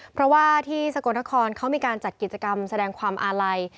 เพราะว่าที่สกลนครเขามีการจัดกิจกรรมแสดงความอาลัย